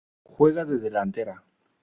Juega de Delantera.